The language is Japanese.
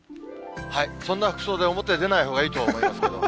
そんな服装で表へ出ないほうがいいと思いますよ。